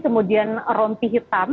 kemudian rompi hitam